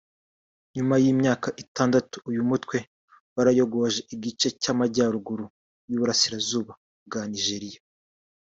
nyuma y’imyaka itandatu uyu mutwe warayogoje igice cy’Amajyaruguru y’u Burasirazuba bwa Nigeria